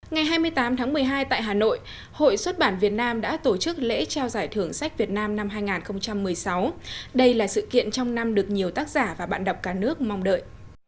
ngày hai mươi tám tháng một mươi hai tại hà nội hội xuất bản việt nam đã tổ chức lễ trao giải thưởng sách việt nam năm hai nghìn một mươi sáu đây là sự kiện trong năm được nhiều tác giả và bạn đọc cả nước mong đợi